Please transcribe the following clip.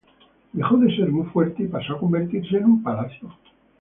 Dejó de ser un fuerte y pasó a convertirse en un palacio.